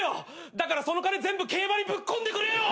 だからその金全部競馬にぶっこんでくれよ！